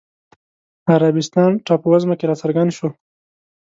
د عربستان ټاپووزمه کې راڅرګند شو